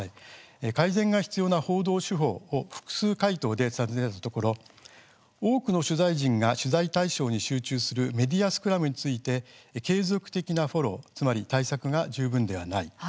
改善が必要な報道手法を複数回答で尋ねたところ多くの取材陣が取材対象に集中するメディアスクラムについて継続的なフォローつまり対策が十分ではない。